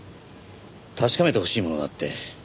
確かめてほしいものがあって。